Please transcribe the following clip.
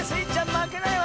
まけないわ！